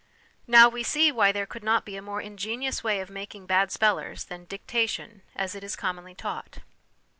Now we see why there could not be a more ingenious way of making bad spellers than ' dictation ' as it is commonly taught.